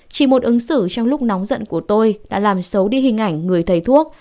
chỉ một ứng xử trong lúc nóng giận của tôi đã làm xấu đi hình ảnh người thầy thuốc